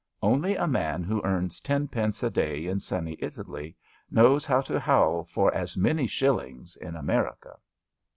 Only a man who earns ten pence a day in sunny Italy knows how to howl for as many shillings in America.